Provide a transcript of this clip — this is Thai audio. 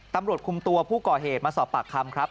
ตำรวจคุมตัวผู้ก่อเหตุมาสอบปากคำครับ